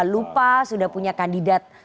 lupa sudah punya kandidat